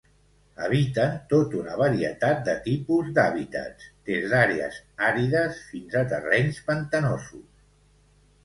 Habiten tota una varietat de tipus d'hàbitats, des d'àrees àrides fins a terrenys pantanosos.